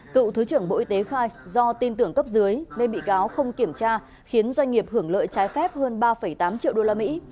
tự thứ trưởng bộ y tế khai do tin tưởng cấp dưới nên bị cáo không kiểm tra khiến doanh nghiệp hưởng lợi trái phép hơn ba tám triệu usd